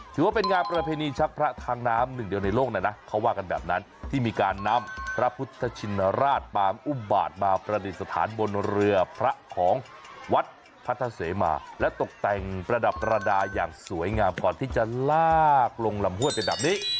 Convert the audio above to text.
ถือว่าเป็นงานประเพณีชักพระทางน้ำหนึ่งเดียวในโลกนะนะเขาว่ากันแบบนั้นที่มีการนำพระพุทธชินราชปางอุบาทมาประดิษฐานบนเรือพระของวัดพัทธเสมาและตกแต่งประดับประดาอย่างสวยงามก่อนที่จะลากลงลำห้วยไปแบบนี้